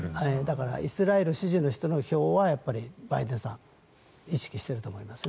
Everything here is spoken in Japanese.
だからイスラエル支持の人の票はバイデンさん意識していると思いますね。